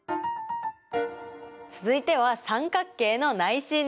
続いては三角形の内心です。